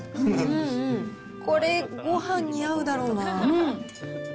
これ、ごはんに合うだろうな。